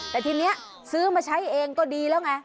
แต่ทีนี้ซื้อมาใช้เองก็ดีแล้วไง